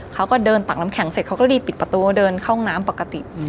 เขาก็เดินตักน้ำแข็งเสร็จเขาก็รีบปิดประตูเดินเข้าห้องน้ำปกติ